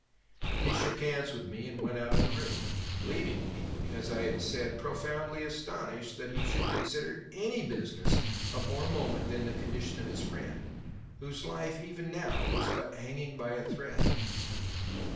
He shook hands with me and went out of the room, leaving me, as I have said, profoundly astonished that he should consider any business of more moment than the condition of his friend, whose life, even now, was but hanging by a thread.